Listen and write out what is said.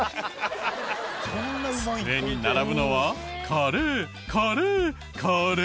机に並ぶのはカレーカレーカレー。